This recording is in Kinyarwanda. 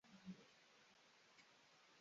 Imbwa eshanu ziruka nijoro